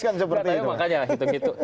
kan seperti itu